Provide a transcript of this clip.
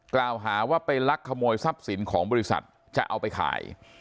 กล่าวหาว่าไปลักขโมยทรัพย์สินของบริษัทจะเอาไปขาย